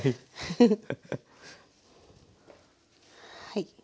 はい。